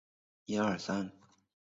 这个传闻令一众用家啧啧称奇！